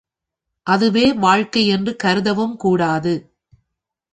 அதுவே வாழ்க்கை யென்று கருதவும் கூடாது.